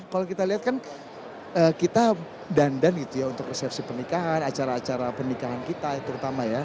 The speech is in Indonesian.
kalau kita lihat kan kita dandan gitu ya untuk resepsi pernikahan acara acara pernikahan kita terutama ya